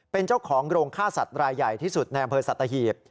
เป็นเจ้าของโรงฆ่าสัตว์รายใหญ่ที่สุดในอำเภอสัตหีบ